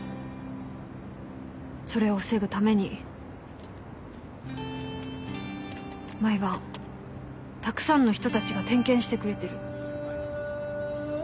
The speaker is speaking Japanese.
それを防ぐために毎晩たくさんの人たちが点検してくれてる。